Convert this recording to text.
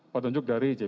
petunjuk dari jpu